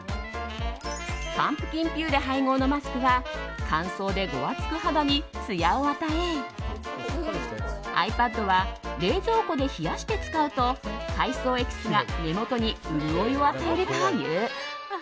パンプキンピューレ配合のマスクは乾燥でごわつく肌につやを与えアイパッドは冷蔵庫で冷やして使うと海藻エキスが目元に潤いを与えるという。